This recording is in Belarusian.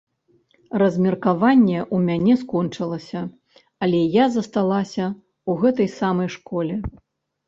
Размеркаванне ў мяне скончылася, але я засталася ў гэтай самай школе.